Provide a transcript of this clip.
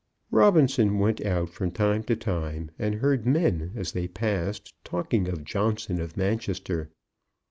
Robinson went out from time to time, and heard men as they passed talking of Johnson of Manchester.